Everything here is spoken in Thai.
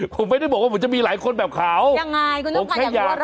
ผมไม่ได้บอกว่าผมจะมีหลายคนแบบเขายังไงคุณต้องการอย่างน้อยอะไร